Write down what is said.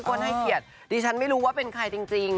คนให้เกียรติดิฉันไม่รู้ว่าเป็นใครจริง